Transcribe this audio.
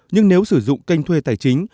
nhưng nếu sử dụng kênh thuê tài chính